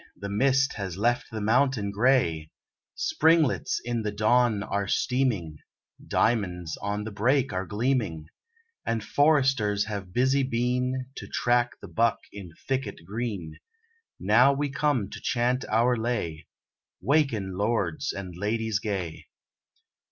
The mist has left the mountain grey, Springlets in the dawn are steaming, Diamonds on the brake are gleaming; And foresters have busy been, To track the buck in thicket green; Now we come to chant our lay, 'Waken, lords and ladies gay.'